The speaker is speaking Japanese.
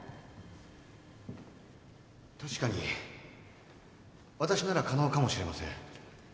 確かに私なら可能かもしれません。